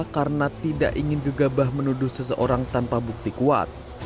karena tidak ingin gegabah menuduh seseorang tanpa bukti kuat